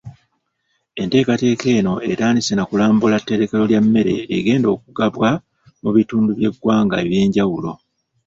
Enteekateeka eno etandise na kulambula tterekero lya mmere egenda okugabwa mu bitundu by’eggwanga ebyenjawulo.